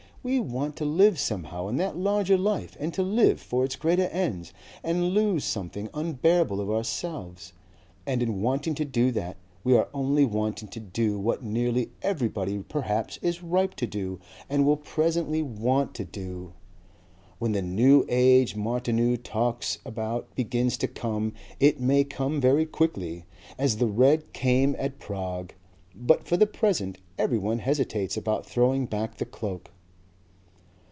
We want to live somehow in that larger life and to live for its greater ends and lose something unbearable of ourselves, and in wanting to do that we are only wanting to do what nearly everybody perhaps is ripe to do and will presently want to do. When the New Age Martineau talks about begins to come it may come very quickly as the red came at Prague. But for the present everyone hesitates about throwing back the cloak."